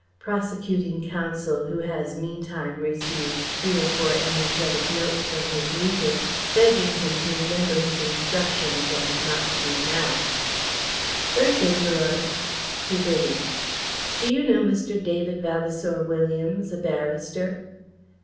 Prosecuting Counsel (who has meantime received three or four energetic notes from his leader, begging him to remember his instructions and not to be an ass): "Very good M'Lud." (To Vivie) "Do you know Mr. David Vavasour Williams, a barrister?"